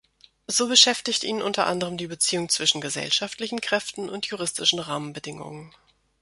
So beschäftigt ihn unter anderem die Beziehung zwischen gesellschaftlichen Kräften und juristischen Rahmenbedingungen.